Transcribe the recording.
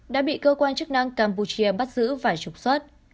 đã bị cơ quan chức năng campuchia bắt giữ và trục xuất